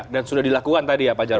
dan sudah dilakukan tadi ya pak jarad